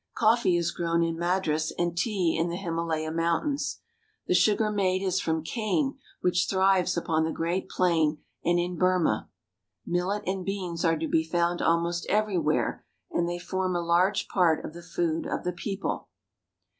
Coffee is grown in Madras and tea in the Himalaya Mountains. The sugar made is from cane which thrives upon the great plain and in 264 AMONG THE INDIAN FARMERS Burma. Millet and beans are to be found almost every where, and they form a large part of the food of the people.